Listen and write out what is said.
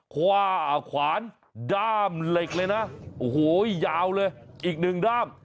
คว้าขวานด้ามเหล็กเลยนะโอ้โหยาวเลยอีกหนึ่งด้าม